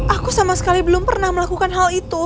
aku sama sekali belum pernah melakukan hal itu